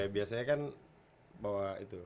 biasanya kan bawa itu